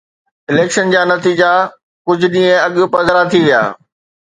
Election جا نتيجا ڪجهه ڏينهن اڳ پڌرا ٿي ويا.